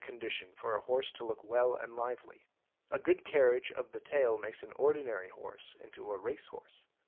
FAKING THE COLOUR 809 condition for a horse to look well and lively: a good carriage of the tail makes an ordinary horse into a race horse.